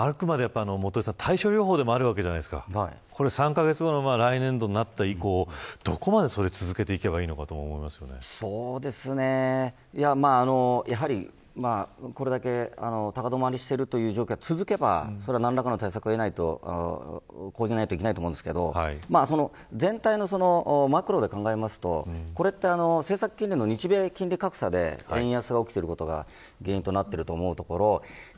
あくまで元榮さん対症療法でもあるわけじゃないですか３カ月後、来年度以降どこまでそれを続けていけばやはりこれだけ高止まりしている状況が続けば何らかの対策は講じないといけないと思いますが全体のマクロで考えると政策金利の日米金利格差で円安が起きていることが原因となっているというところもあって